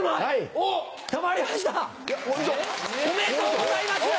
おめでとうございます！